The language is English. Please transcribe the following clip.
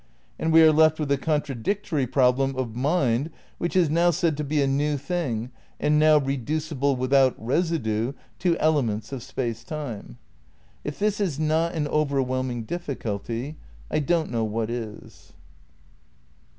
And we are left with the contradic tory problem of miud which is now said to be a new thing, and now reducible without residue to elements of Space Time. If this is not an "overwhelming difficulty" I don't know what is.